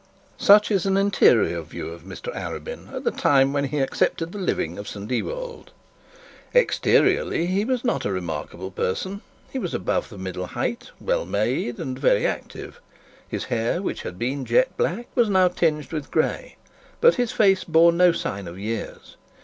Such is an interior view of Mr Arabin at the time when he accepted the living of St Ewold. Exteriorly, he was not a remarkable person. He was above the middle height, well made, and very active. His hair which had been jet black, was now tinged with gray, but his face bore no sign of years.